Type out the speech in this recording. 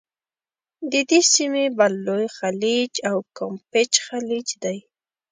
د دې سیمي بل لوی خلیج د کامپېچ خلیج دی.